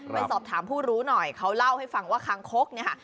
ไปสอบถามผู้รู้หน่อยเขาเล่าให้ฟังว่าคางคกเนี่ยค่ะ